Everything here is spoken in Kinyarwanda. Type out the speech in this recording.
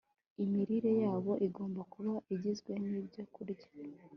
Imirire yabo igomba kuba igizwe nibyokurya